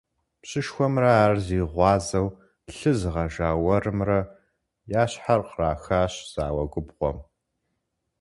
Пщышхуэмрэ ар зи гъуазэу лъы зыгъэжа уэрымрэ я щхьэр кърахащ зауэ губгъуэм.